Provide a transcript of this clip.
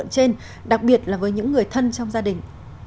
trên đặc biệt là với những người thân trong gia đình